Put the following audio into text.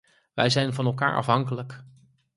Wij zijn van elkaar afhankelijk.